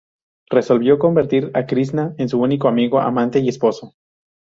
Resolvió convertir a Krisná en su único amigo, amante y esposo.